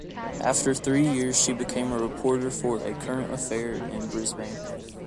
After three years she became a reporter for "A Current Affair" in Brisbane.